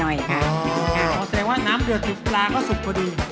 หมอสัยว่าน้ำเดือดถึงปลาก็สุกพอดี